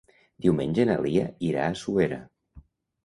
Diumenge na Lia irà a Suera.